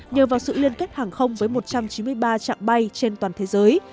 nhờ vào sự liên kết hàng không với một trăm chín mươi ba trạm bay trên toàn thế giới